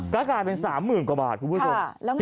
ก็กลายเป็น๓๐๐๐กว่าบาทคุณผู้ชม